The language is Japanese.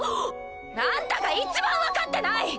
あんたがいちばん分かってない！